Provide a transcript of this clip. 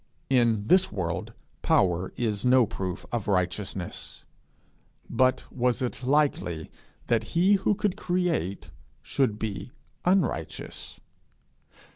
In this world power is no proof of righteousness; but was it likely that he who could create should be unrighteous?